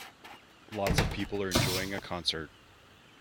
Lots of people are enjoying a concert.